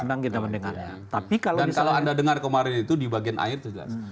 dan kalau anda dengar kemarin di bagian akhir itu jelas